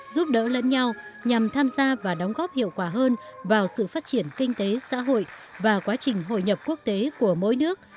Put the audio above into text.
giúp đỡ lẫn nhau nhằm tham gia và đóng góp hiệu quả hơn vào sự phát triển kinh tế xã hội và quá trình hội nhập quốc tế của mỗi nước